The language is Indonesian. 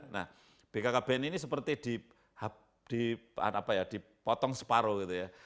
nah bkkbn ini seperti dipotong separuh gitu ya